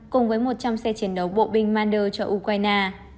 cùng với một trăm linh xe chiến đấu bộ binh mander cho ukraine